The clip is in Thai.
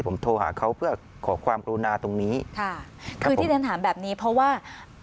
ผมโทรหาเขาเพื่อขอความกรุณาตรงนี้ค่ะคือที่ฉันถามแบบนี้เพราะว่า